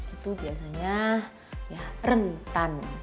itu biasanya rentan